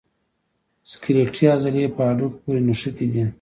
سکلیټي عضلې په هډوکو پورې نښتي دي.